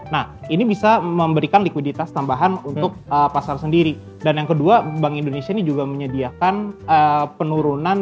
nah ini bisa memberikan likuiditas tambahan untuk pasar sendiri dan yang kedua bank indonesia ini juga menyediakan penurunan